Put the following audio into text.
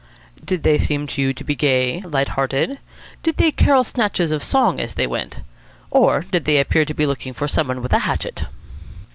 "Did they seem to you to be gay, lighthearted? Did they carol snatches of song as they went? Or did they appear to be looking for some one with a hatchet?"